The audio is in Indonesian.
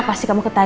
pasti kamu ketahuan